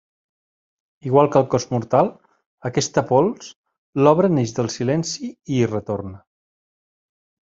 Igual que el cos mortal, aquesta pols, l'obra neix del silenci i hi retorna.